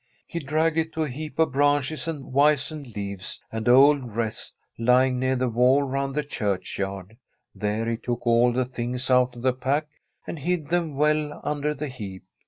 He dragged it to a heap of branches and wizened leaves and old wreaths lying near the wall round the churchyard. There he took all the things out of the pack, and hid them well under the heap.